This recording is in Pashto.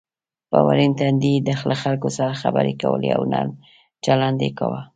په ورین تندي یې له خلکو سره خبرې کولې او نرم چلند یې کاوه.